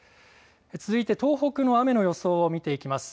続いて東北の雨の予想を見ていきます。